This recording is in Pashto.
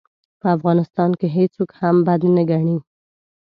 په افغانستان کې هېڅوک هم بد نه ګڼي.